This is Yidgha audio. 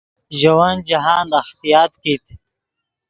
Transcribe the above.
ژے ون جاہند اختیاط کیت